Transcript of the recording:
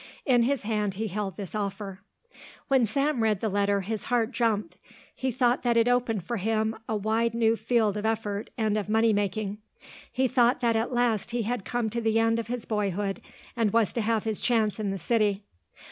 In his hand he held this offer. When Sam read the letter his heart jumped. He thought that it opened for him a wide new field of effort and of money making. He thought that at last he had come to the end of his boyhood and was to have his chance in the city.